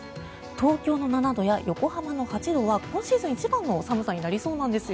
東京の７度や横浜の８度は今シーズン一番の寒さになりそうなんですよ。